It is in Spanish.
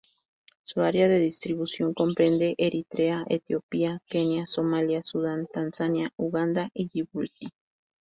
Su área de distribución comprende Eritrea, Etiopía, Kenia, Somalia, Sudán, Tanzania, Uganda y Yibuti.